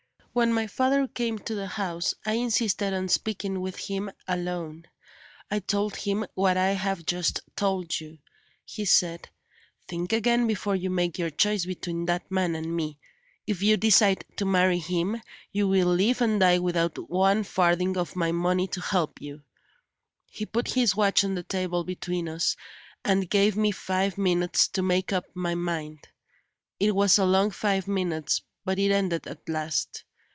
When my father came to the house, I insisted on speaking with him alone. I told him what I have just told you. He said: 'Think again before you make your choice between that man and me. If you decide to marry him, you will live and die without one farthing of my money to help you.' He put his watch on the table between us, and gave me five minutes to make up my mind. It was a long five minutes, but it ended at last.